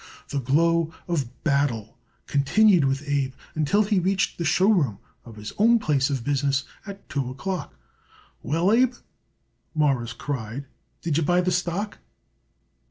The glow of battle continued with Abe until he reached the show room of his own place of business at two o'clock. "Well, Abe," Morris cried, "did you buy the stock?"